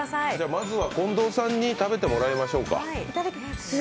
まずは近藤さんに食べていただきましょうか。